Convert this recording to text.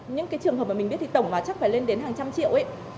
những cái trường hợp mà mình biết thì tổng là chắc phải lên đến hàng trăm triệu ấy